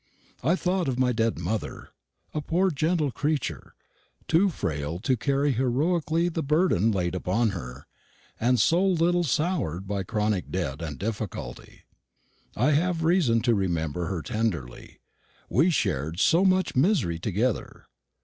I thought of my dead mother a poor gentle creature too frail to carry heroically the burden laid upon her, and so a little soured by chronic debt and difficulty. I have reason to remember her tenderly; we shared so much misery together.